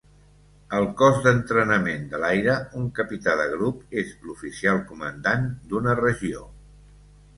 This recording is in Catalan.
Al Cos d'Entrenament de l'Aire, un Capità de Grup és l'oficial comandant d'una regió.